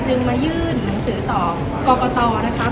สวัสดีครับ